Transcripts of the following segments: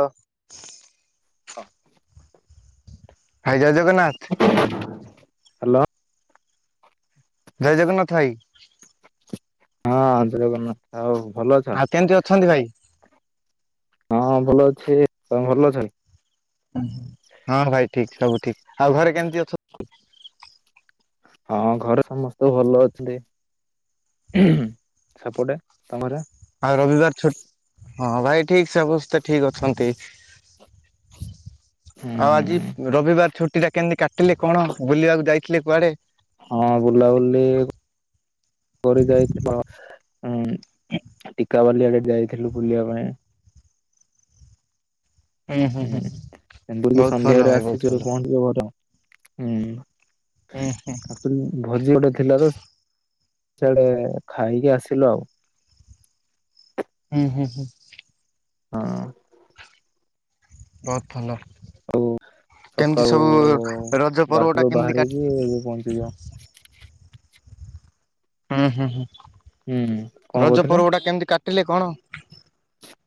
ଓ [inaudible] ହଁ ଭାଇ ଜୟ ଜଗନ୍ନାଥ। ହାଲୋ। ଜୟ ଜଗନ୍ନାଥ ଭାଈ। ହଁ ଜୟ ଜଗନ୍ନାଥ ହଉ। ଆଉ କେମିତି ଅଛନ୍ତି ଭାଈ? ହଁ ଭଲ ଅଛି। ତମେ ଭଲ ଅଛନ୍ତି? ଉହୁଁ ହଁ ଭାଇ ଠିକ ସବୁ ଠିକ ଆଉ ଘରେ କେମିତି ଅଛନ୍ତି? ହଁ ଘରେ ସମସ୍ତେ ଭଲ ଅଛନ୍ତି। ଉ ହୁଁ ହୁଁ ସେପଟେ ତମର? ଆଉ ରବିବାର ଛୁ ହଁ ଭାଇ ଠିକ୍ ସମସ୍ତେ ଠିକ୍ ଅଛନ୍ତି। ଆଉ ଆଜି ରବିବାର ଛୁଟିଟା କେନ୍ତି କାଟିଲେ କଣ ବୁଲିବାକୁ ଯାଇଥିଲେ କୁଆଡ଼େ? ହଁ ବୁଲାବୁଲି କୁଆଡ଼େ ଯାଇଥିଲ? ହୁଁ ଟିକାବାଲି ଆଡ଼େ ଯାଇଥିଲୁ ବୁଲିବା ପାଇଁ। ହୁଁ ଏମତି ବି ବହୁତ ଭଲ ସନ୍ଧ୍ୟାରେ ଭାଇ ବହୁତ ଆସିଚୁ ଏବେ ଭଲ ପଞ୍ଚିଚିଲୁ ଘରେ। ହୁଁ ହୁଁ ଆ ତ ଭୋଜି ଗୋଟେ ଥିଲା ତ ସିଆଡ଼େ ଖାଇକି ଆସିଲୁ ଆଉ। ହୁଁ ହୁଁ ହୁଁ। ହଁ। ବହୁତ ଭଲ। ଆଉ କେମତି ସକାଳୁ ସବୁ ରଜ ପର୍ବଟା ବାରଟାରୁ କେମତି କା ବାହାରିକି ଏବେ ପହଞ୍ଚିଲୁ। ହୁଁ ହୁଁ ହୁଁ ହୁଁ କଣ ରଜ କହୁଥିଲେ? ପର୍ବଟା କେମତି କାଟିଲେ କଣ?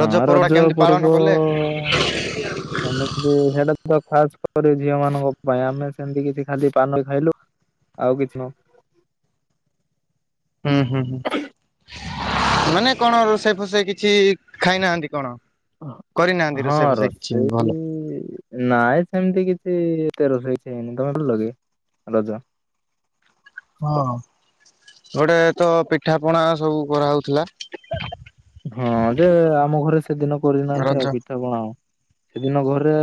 ହଁ ପର୍ବ ଟା ରଜ କେମିତି ପାଳନ ପର୍ବ କଲେ? କରନଥିଲି ହେଟା ତ ଖାସ କରି ଝିଅମାନଙ୍କ ପାଇଁ ଆମେ ସେମତି କିଛି ଖାଲି ପାନ ଖାଇଲୁ ଆଉ କିଛି ନାହିଁ। ହୁଁ ହୁଁ ହୁଁ ମାନେ କଣ ରୋଷେଇ ଫୋସେଇ କିଛି ଖାଇନାହାନ୍ତି କଣ? କରିନାହାନ୍ତି ହଁ ହଁ ରୋଷେଇ ଫୋଷେଇ କିଛି ଭଲ। ରୋଷେଇ ନାଇଁ ସେମତି କି ସେ ଏତେ ରୋଷେଇ କିଛି ହେଇନି ଘର ଲଗେ ରଜ। ହଁ ଗୋଟେ ତ ପିଠା ପଣା ସବୁ କରାହଉଥୁଲା। ହଁ ଯେ ଆମ ଘରେ ସେଦିନ କରିନାହାନ୍ତି ରଜ ଆଉ ପିଠାପଣା ଆଉ ସେଦିନ ଘ ରେ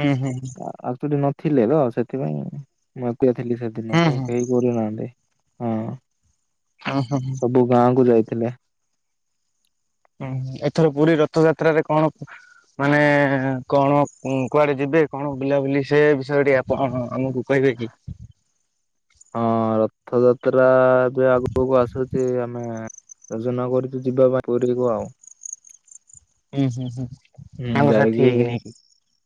ହୁଁ ହୁଁ ଆ ଆତୁଡ଼ି ନଥିଲେ ତ ସେଥିପାଇଁ ମୁଁ ତିଏ ଥିଲି ସେଦିନ ହୁଁ ହୁଁ ତ ହୁଁ। କେହି କରିନାହାନ୍ତି ହଁ। ହୁଁ ହୁଁ। ସବୁ ଗାଁକୁ ଯାଇଥିଲେ। ହୁଁ ଏଥର ପୁରୀ ରଥଯାତ୍ରାରେ କଣ ମାନେ କଣ କୁ କୁଆଡ଼େ ଯିବେ କଣ ବୁଲାବୁଲି ସେ ବିଷୟରେ ଟିଏ ଆପ ଆମୁକୁ କହି ବେଗି ହଁ ରଥଯାତ୍ରା ବି ଆଗୁକୁ ଆସୁଚି ଆମେ ଯୋଜନା କରିଚୁ ଯିବା ପାଇଁ ପୁରୀକୁ ଆଉ। ଉଁ ହୁଁ ହୁଁ। ହୁଁ ସାଙ୍ଗସାଥି ଯାଇକି ହେଇକି ନେଇକି।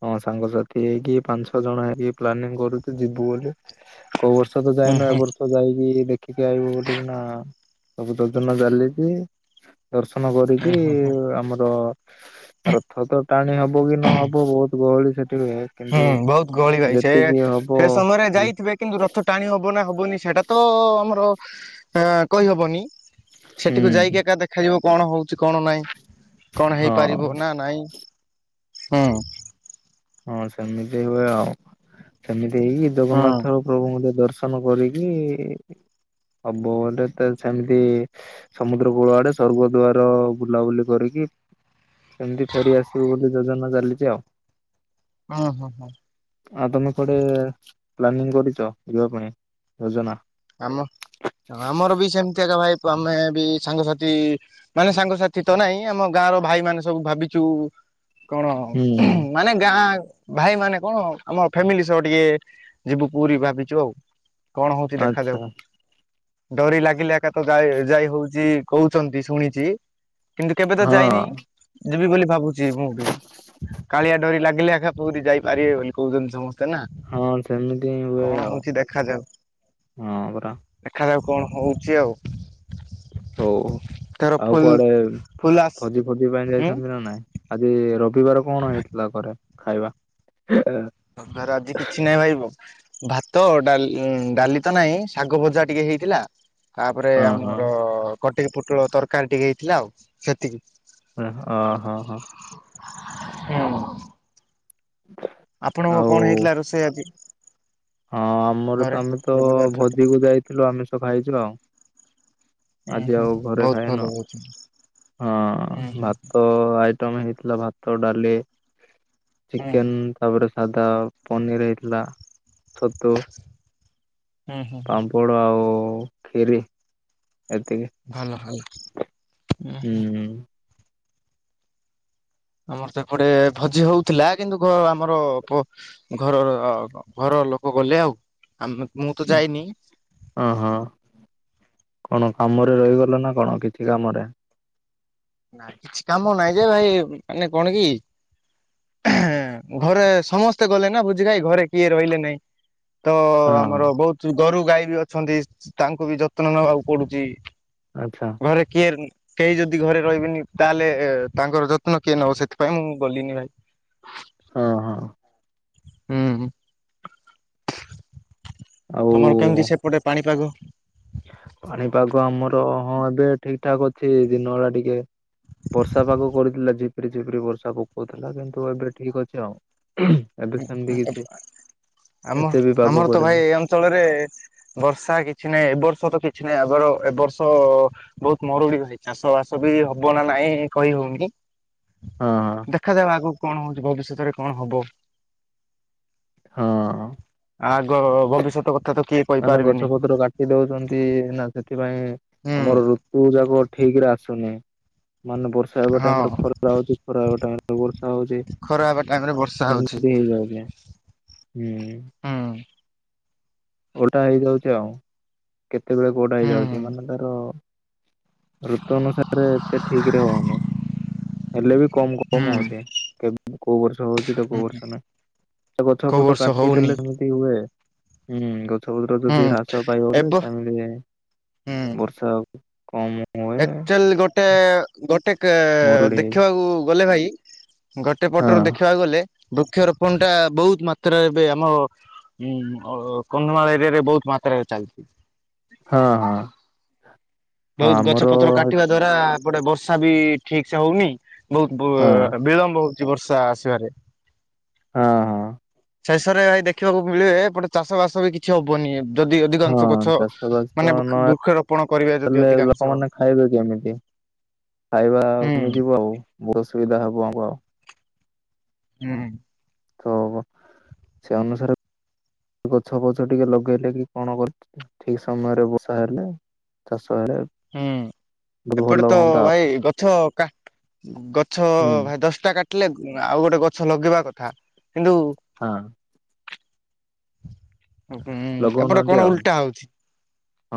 ହଁ ସାଙ୍ଗସାଥି ହେଇକି ପାଞ୍ଚ ଛଅ ଜଣ ହେଇକି ପ୍ଲାନିଂ କରୁଚୁ ଯିବୁ ବୋଲି। କୋଉ ବର୍ଷ ତ ହୁଁ ଯାଇନୁ ହୁଁ। ଏ ବର୍ଷ ଯାଇକି ଦେଖିକି ଆଇିବୁ ବୁଲିକିନା। ସବୁ ଯୋଜନା ଚାଲିଚି ଦର୍ଶନ କରିକି ଆମର ରଥ ତ ଟାଣି ହବ କି ନହବ ବୋହୁତ ଗହଳି ସେ ହୁଁ ବହୁତ ଗହଳି ଭାଇ ସେ ହବ ସେ ସମୟରେ ହୁଁ ଯାଇଥିବେ କିନ୍ତୁ ରଥ ଟାଣି ହବ ନା ହବନି ସେଟା ତ ଆମର ଅ କହିବନି ସେଠିକୁ ଯାଇକି ଏକା ଦେଖାଯି କଣ ହଉଚି କଣ ନାଇଁ କଣ ହଁ ହେଇପାରିବ ନାଁ ନାଇଁ। ହଁ। ହଁ ସେମିତି ହୁଏ ଆଉ। ସେମିତି ହେଇକି ଜଗନ୍ନାଥ ହଁ। ପ୍ରଭୁଙ୍କୁ ଟିଏ ଦର୍ ଶନ କରିକି ହବ ବଟେ ତ ଛେମିତି ସମୁଦ୍ର କୂଳ ଆଡ଼େ ସ୍ୱର୍ଗଦ୍ଵାର ବୁଲାବୁଲି କରିକି କି ସେମତି ଫେରି ଆସିବୁ ବୋଲି ଯୋଜନା ଚାଲିଚି ଆଉ। ହଁ ହଁ ହଁ। ଆଉ ତମେ କୁଆଡ଼େ ପ୍ଲାନିଂ କରିଚ ଯିବା ପାଇଁ ଯୋଜନା? ଆମ ଆମର ବି ସେମତି ଏକା ଭାଇ ପ ଆମେ ବି ସାଙ୍ଗସାଥି ମାନେ ସାଙ୍ଗସାଥି ତ ନାଇଁ ଆମ ଗାଁ ର ଭାଇମାନେ ସବୁ ଭାବିଚୁ କଣ ହୁଁ ହୁଁ ମାନେ ଗାଁ ଭାଇ ମାନେ କଣ ଆମ ଫ୍ୟାମିଲି ସହ ଟିକେ ଯିବୁ ପୁରୀ ଭାବିଚୁ ଆଉ କଣ ଆଚ୍ଛା। ଡରି ଲାଗିଲେ ଏକା ତ ଯା ଯାଇ ହୋଉଚି କୋହୁଚନ୍ତି ଶୁଣିଚି। କିନ୍ତୁ କେବେ ତ ଯାଇନି ହଁ। ଯିବି ବୋଲି ଭାବୁଚି ମୁଁ ବି କାଳିଆ ଡୋରି ଲାଗିଲେ ଏଖା ପୁରୀ ଯାଇପାରିବେ ବୋଲି କୋହୁଛନ୍ତି ସମସ୍ ହଁ ସେମିତି ହିଁ ହୁଏ ଆଉ ହଉଛି ଦେଖାଯାଉ ହଁ ପରା। ମାନେ ଆଉ କଣ ହୋଉଚି ଆଉ? ହୋଉ ଏଥର ଆଉ ଫୁଲ କୁଆଡେ ଫୁଲ ଆସ ଫୋଜି ଫୋଜି ପାଇଁ ଯାଇଛନ୍ତି ନା ନାଇଁ ଆଜି ରବିବାର କଣ ହେଇଥିଲା ଘରେ ଖାଇବା? ରବିବାର ଆଜି କିଛି ନାଇଁ ଭାଇ ବ ଭାତ ଡାଲ୍-ଡାଲି ତ ନାଇଁ ଶାଗ ଭଜା ଟିକେ ହେଇଥିଲା ତାପରେ ହଁ ହଁ ଆମର କଟିକି ପୁଟଳ ତରକାରୀ ଟିକେ ହେଇଥିଲା ଆଉ ସେତିକି। ଉଁ ଅ ହଁ ହଁ। ହୁଁ। ଆପଣଙ୍କ ଆଉ କଣ ହେଇଥିଲା ରୋଷେଇ ଆଜି? ହଁ ଆମର ଘରେ ତ ଆମେ ତ ରବିବାର ଛୁଟିରେ? ଭୋଜିକୁ ଯାଇଥିଲୁ ଆମିଷ ଖାଇଚୁ ଆଉ। ଆଜି ଆଉ ଘରେ ବହୁତ ଭଲ ଖାଇନୁ ବହୁତ ହୁଁ। ହଁ ହୁଁ ହୁଁ ଭାତ ଆ ତ ଆମ ହେଇଥିଲା ଭାତ ଡାଲି ଚିକେନ ତାପରେ ସାଧା ପନିର ହେଇଥିଲା ଛତୁ। ହୁଁ। ପାମ୍ପଡ଼ ଆଉ ଖିରି। ଭଲ ଭଲ ଏତିକି ହୁଁ। ଆମର ସେପଟେ ଭୋଜି ହୋଉଥୁଲା କିନ୍ତୁ ଘ-ଆମର ପ-ଘରର ଘର ଲୋକ ଗଲେ ଆଉ ଆମେ ମୁଁ ତ ଯାଇନି। ହଁ ହଁ କଣ କାମରେ ରହିଗଲ ନା କଣ କିଛି କାମରେ? ନା କିଛି କାମ ନାହିଁ ଯେ ଭାଇ ମାନେ କଣ କି ଘରେ ସମସ୍ତେ ଗଲେ ନା ଭୋଜି ଖାଇ ଘରେ କିଏ ରହିଲେ ନାଇଁ। ତ ହଁ ହଁ ଆମର ବୋହୁତୁ ଗୋରୁ ଗାଈ ବି ଅଛନ୍ତି ତାଙ୍କୁ ବି ଯତ୍ନ ନେବାକୁ ପଡୁଚି। ଆଚ୍ଛା ଘରେ କିଏ କେହି ଯଦି ଘରେ ରହିବିନି ତାହେଲେ ଏ-ତାଙ୍କର ଯତ୍ନ କିଏ ନବ ସେଥିପାଇଁ ମୁଁ ଗଲିନି ଭାଇ। ହଁ ହଁ ହୁଁ। ଆଉ ତମର କେମିତି ସେପଟେ ପାଣିପାଗ? ପାଣିପାଗ ଆମର ହଁ ଏବେ ଠିକଠାକ ଅଛି ଦିନବେଳା ଟିକେ ବର୍ଷା ପାଗ କରୁଥୁଲା ଝିପିରି ଝିପିରି ବର୍ଷା ପକୋଉଥୁଲା କିନ୍ତୁ ଏବେ ଠିକଅଛି ଆଉ। ଏବେ ହୁଁ ସେମିତି ହୁଁ କିଛି ଆ ଆମ ଏତେ ବି ପାଗ ଆମର ତ କରିନି ଭାଇ ଏ ଅଞ୍ଚଳରେ ବର୍ଷା କିଛି ନାହିଁ ଏବର୍ଷ୍ ର୍ଷ କିଛି ନାହିଁ ଆଗର ଏ ବର୍ଷ ବୋହୁତ ମରୁଡି ହେଇଚି ଚାଷବାସ ବି ହବ ନା ନାଇଁ କହିହ ପୁଣି ହଁ ଦେଖାଯାଉ ଆଗକୁ କଣ ହୋଉଚି ଭବିଷ୍ୟତରେ କଣ ହବ। ହଁଅ। ଆଗ ଭବିଷ୍ୟତ କଥା ତ କିଏ ମାନେ କହିପାରିବେନି। ଗଛ ପତ୍ର କାଟି ଦୋଉଚନ୍ତି ନା ସେଠ୍ ସେଥିପାଇଁ ହୁଁ ଆମର ଋତୁ ଯାକ ଠିକରେ ଆସୁନି। ମାନେ ବର୍ଷା ହେବା ଟାଇମରେ ହଁ ଖରା ହୋଉଚି ଖରା ହେବା ଟାଇମରେ ବର୍ଷା ହୋଉଚି। ଖରା ହେବା ଟାଇମ ରେ ବର୍ଷା ହଉଛି ସେମିତି ହିଁ କହିଲେ ହୁଁ। ହୁଁ ଓଲଟା ହେଇଯାଉଚି ଆଉ କେତେବେଳେ କୋଉଟା ହୁଁ ହେଇଯାଉଚି ମାନେ ଧର ଋତୁ ଅନୁସାରେ ଏତେ ଠିକରେ ହୋଉନି ହେଲେ ବି କମ କମ ହୁଁ। ହୋଉଛି କେ-କୋଉ ବର୍ଷ ଗଛ ହୋଉଚି ତ କୋଉ ହୁଁ ବର୍ଷ ନାଇ ସେ ଗଛ କୋଉ ଫଛ ବର୍ଷ ହଉନି କାଟିଦେଲେ ସେମିତି ହୁଏ ହୁଁ ଗ ଛପତ୍ର ଯଦି ହୁଁ ହ୍ରାସ ପାଇଗଲେ ଏବ ତାହେଲେ ବର୍ଷା ଆଉ କମ ହୁଏ ଆକଚୁଆଲି ଗୋଟେ ଗୋଟେ ମରୁଡି ଦେଖିବାକୁ ଗଲେ ଭାଇ ଗୋଟେ ହଁ ପଟରୁ ଦେଖିବାକୁ ଗଲେ ବୃକ୍ଷରୋପଣଟା ବୋହୁତ ମାତ୍ରାରେ ଏବେ ଆମ ହୁଁ ଅ-କନ୍ଧମାଳ ଏରିଆରେ ବୋହୁତ ମାତ୍ରାରେ ଚାଲିଚି। ହଁ ହଁ। ବୋହୁତ ଆମର ଗଛପତ୍ର କାଟିବା ଦ୍ଵାରା ଏପଟେ ବର୍ଷା ବି ଠିକସେ ହୋଉନି। ବହୁତ ହଁ ବି-ବିଳମ୍ବ ହଉଛି ବର୍ଷା ଆସିବାରେ। ହଁ ହଁ। ଶେଷରେ ଭାଇ ଦେଖିବାକୁ ମିଳିବେ ଏପଟେ ଚାଷ ବାସ ବି କିଛି ହବନି ଏ ବ ଯଦି ହଁ ଅଧିକାଂଶ ଗଛ ଚାଷ ବାସ ମାନେ ବୃକ୍ଷ ବୃକ୍ଷରୋପଣ କରିବେ ଯଦି ଅ ନହେଲେ ଲୋକମାନେ ଖାଇବେ କେମିତି? ଖାଇବା ଆଉ ଆମେ ହୁଁ ଯିବୁ ଆଉ। ବହୁ ଅସୁବିଧା ହବ ଆମକୁ ଆଉ। ହୁଁ ହୁଁ। ତ ସେ ଅନୁସାରେ ଗଛ ଫଛ ଟିକେ ଲଗେଇଲେ କି କଣ କରିଥିଲେ, ଠିକ ସମୟରେ ବର୍ଷା ହେଲେ ଚାଷ ହେଲେ ହୁଁ। ବହୁତ ଏପଟେ ଭଲ ତ ହୁଅନ୍ତା ଆଉ ଭାଇ ଗଛ ପକା। ଗଛ ହୁଁ। ଭାଇ ଦଶଟା କାଟିଲେ ଉଂ ଆଉ ଗୋଟେ ଗ ଗଛ ଲଗେଇବା କଥା କିନ୍ତୁ ହଁ ଉମ୍ ଏପଟେ ଲଗଉନାହାନ୍ତି କଣ ଆଉ ଉଲଟା ହଉଚି,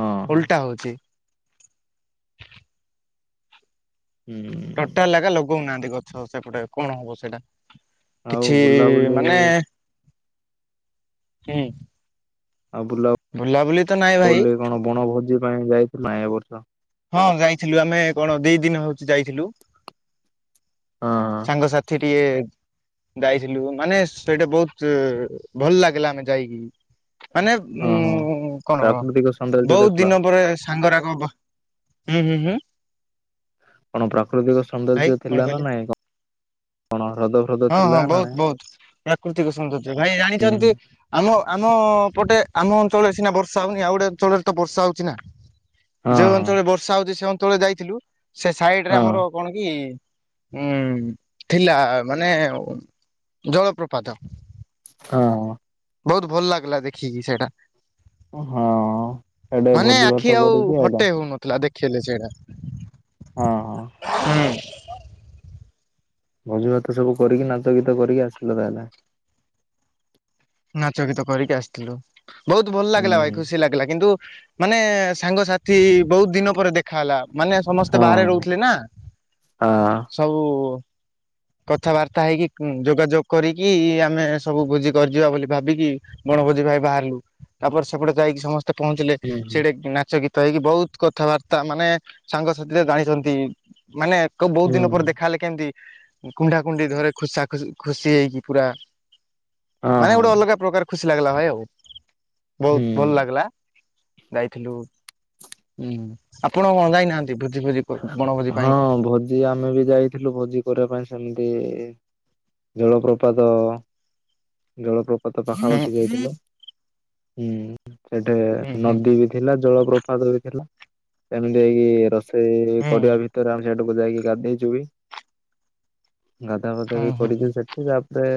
ହଁ ହଁ ଉଲଟା ହଉଛି। ହୁଁ। ଟୋଟାଲ ଲାଗା ଲଗଉନାହାଁନ୍ତି ଗଛ ସେପଟେ କଣ ହବ ସେଇଟା। ଆଉ କିଛି ବୁଲାବୁଲି ମାନେ ହୁଁ। ଆଉ ତ ନାଇଁ ଭାଇ ବୁଲାବୁଲି କଣ ବଣ ଭୋଜି ପାଇଁ ଯାଇ ନାଁ ଏ ବର୍ଷ? ହଁ ଯାଇଥିଲୁ ଆମେ କଣ ଦି ଦିନ ହଉଚି ଯାଇଥିଲୁ ହଁ ହଁ ସାଙ୍ଗସାଥି ଟିଏ ଯାଇଥିଲୁ ମାନେ ସେଇଟା ବହୁତ ଉ ଭଲ ଲାଗିଲା ଆମେ ଯାଇକି। ମାନେ ହଁ ହଁ ଉମ୍ କଣ ପ୍ରାକୃତିକ ସୌନ୍ଦର୍ଯ୍ୟ ବହୁତ ଦେଖିଲ? ଦିନ ପରେ ସାଙ୍ଗରାକ ଉମ୍ ହୁଁ। କଣ ପ୍ରାକୃତିକ ଭାଇ ସୌନ୍ଦର୍ଯ୍ୟ କଣ ଥିଲା ନା କହିଲେ? ନାଇଁ କ କଣ? ହ୍ରଦ ଫ୍ରଦ ହଁ ହଁ ଥିଲା ନା ବହୁତ ନାଇଁ? ବହୁତ ପ୍ରାକୃତିକ ସୌନ୍ଦର୍ଯ୍ୟ ଭାଇ ହୁଁ ଜାଣିଚନ୍ତି ଆମ ଆମ ପଟେ ଆମ ଅଞ୍ଚଳରେ ସିନା ବର୍ଷା ହଉନି ଆଉ ଗୋଟେ ଅଞ୍ଚଳରେ ତ ବର୍ଷା ହଉଚି ନା। ହଁ ଯୋଉ ଅଞ୍ଚଳରେ ବର୍ଷା ହଉଚି ସେ ଅଞ୍ଚଳରେ ଯାଇଥିଲୁ, ସେ ସାଇଡ ରେ ହଁ ଆମର କଣ କି ଉମ୍ ଥିଲା ମାନେ ଜଳପ୍ରପାତ। ହଁ। ବହୁତ ଭଲ ଲାଗିଲା ଦେଖିକି ସେଇଟା। ହଁ ହଁ ସେଆଡେ ମାନେ ଭୋଜି ଆଖି ଭାତ ଆଉ କରିକି ଆଇଲ ହଟେଇ ହଉନଥିଲା ଦେଖ ଖିଲେ ସେଇଟା। ହଁ ହଁ ହୁଁ ଭୋଜିଭାତ ସବୁ କରିକି ନାଚ ଗୀତ କରିକି ଆସିଲ ତାହେଲେ ଆଁ? ନାଚ ଗୀତ କରିକି ଆସିଥିଲୁ। ବହୁତ ଭଲ ଲାଗିଲା ଭାଇ ହୁଁ ଖୁସି ଲାଗିଲା କିନ୍ତୁ ମାନେ ସାଙ୍ଗସାଥି ବହୁତ ଦିନ ପରେ ଦେ ଖା ହେଲା। ମାନେ ସମସ୍ତେ ବାହାରେ ହଁ ରହୁଥିଲେ ନା, ହଁ ସବୁ କଥାବାର୍ତ୍ତା ହେଇକି ଯୋଗାଯୋଗ କରିକି ଆମେ ସବୁ ଭୋଜି କରିଯିବା ବୋଲି ଭାବିକି ବ ବଣ ଭୋଜି ପାଇଁ ବାହାରିଲୁ। ତାପରେ ସେପଟେ ଯାଇକି ସମସ୍ତେ ପହଞ୍ଚିଲେ, ହୁଁ ସେଇଟି ଉଁ ନାଚ ଗୀ ଗୀତ ହେଇକି ବହୁତ କଥାବାର୍ତ୍ତା ମାନେ ସାଙ୍ଗସାଥିରେ ଜାଣିଚନ୍ତି ମାନେ କୋଉ ବହୁତ ହୁଁ ଦିନ ପରେ ଦେଖାହେଲେ କେମତି କୁଣ୍ଢାକୁଣ୍ଢି ଧରେ ଖୁସା ଖୁସି ଖୁସୀ ହେଇକି ପୁରା, ହଁ ମାନେ ହଁ ଗୋଟେ ଅଲଗା ପ୍ରକାର ଖୁସି ଲାଗିଲା ଭାଇ ଆଉ। ବହୁତ ହୁଁ ଭଲ ଲାଗିଲା ଯାଇଥିଲୁ, ହୁଁ। ଆପଣ କଣ ଯାଇନାହାଁନ୍ତି? ଭୀ ହଁ ଭୋଜି ଆମେ ବି ଯାଇଥିଲୁ ଭୋଜି କରିଆ ପାଇଁ ସେମତି ଜଳପ୍ରପାତ ଜଳପ୍ରପା ପ୍ରପାତ ହୁଁ ପାଖାପାଖି ଯାଇଥିଲୁ। ହୁଁ। ସେଠି ହୁଁ ହୁଁ ନଦୀ ବି ଥିଲା ଜଳପ୍ରପାତ ବି ଥିଲା। ସେମତି ଯାଇକି ରୋଷେଇ ହୁଁ କରିବା ଭିତରେ ଆମେ ସେଟାକୁ ଯାଇକି ଗାଧେଇଚୁ ବି। ଗାଧୁଆ ପାଧୁଆ ହୁଁ ବି ହୁଁ। ହୁଁ। କରିଚୁ ସେଟି। ତାପରେ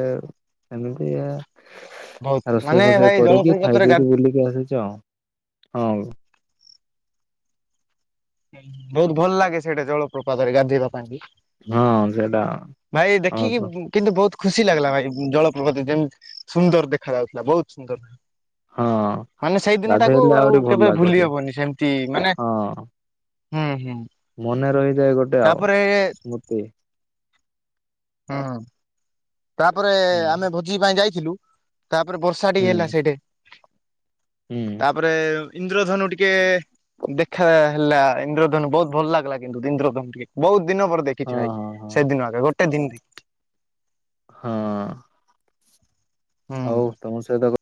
ସେମିତି ବହୁତ ଆ ରୋଷେଇ ମାନେ ଫୋଷେଇ ଭାଇ କରିକି ଖାଇ ଜଳପ୍ରପାତରେ ଗା ପିଇକି ବୁଲିକି ଆସିଚୁ ଆଉ। ହଉ। ବହୁତ ଭଲ ଲାଗେ ସେଇଟା ଜଳପ୍ରପାତରେ ଗାଧେଇବା ପାଇଁ ବି। ହଁ ସେଇଟା ଭାଇ ଦେଖିକି ହଁ ଉଂ କିନ୍ତୁ ବହୁତ ଖୁସି ଲାଗିଲା ଭାଇ ଉ ଜଳପ୍ରପାତ ଯେମ ସୁନ୍ଦର ଦେଖା ଯାଉଥିଲା ବହୁତ ସୁନ୍ଦର। ହଁ ମାନେ ସେଇଦିନଟାକୁ ଗାଧେଇଲେ ଆଉ ଆହୁରି ଭଲ କେବେ ଭୁଲି ଲାଗୁଛି ହବନି ସେମିତି ମାନେ ହଁ ହୁଁ ହୁଁ। ମନେ ରହିଯାଏ ଗୋଟେ ଆଉ ତାପରେ ସ୍ମୃତି। ହୁଁ। ତାପରେ ହୁଁ ଆମେ ଭୋଜି ପାଇଁ ଯାଇଥିଲୁ ତାପରେ ବର୍ଷା ହୁଁ ଟିକେ ହେଲା ସେଇଠେ ହୁଁ ତାପରେ ଇନ୍ଦ୍ରଧନୁ ଟିକେ ଦେଖା ହେଲା ଇନ୍ଦ୍ରଧନୁ ବହୁତ ଭଲ ଲାଗିଲା କିନ୍ତୁ ଇନ୍ଦ୍ରଧନ ଟିକେ ବହୁତ ଦିନ ପରେ ହଁ ଦେଖିଛିୁ ଭାଇ ହଁ ହଁ ସେଦିନ ଆଗେ ଗୋଟେ ଦିନ ଦେଖ ହଁ। ହୁଁ ହଉ ତମ ସହିତ [unintelligible]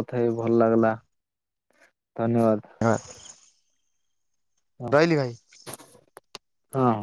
କଥା ହ ଭଲ ଲାଗିଲା। ଧନ୍ୟବାଦ। ହଁ ରହିଲି ଭାଇ। ହଁ।